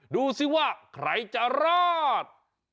ดูสิว่าใครจะรอด